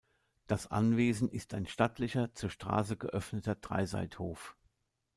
Das Anwesen ist ein stattlicher, zur Straße geöffneter Dreiseithof.